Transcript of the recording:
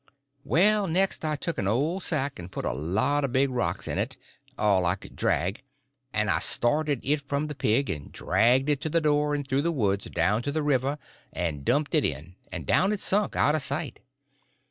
Well, next I took an old sack and put a lot of big rocks in it—all I could drag—and I started it from the pig, and dragged it to the door and through the woods down to the river and dumped it in, and down it sunk, out of sight.